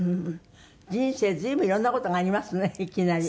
人生随分いろんな事がありますねいきなり。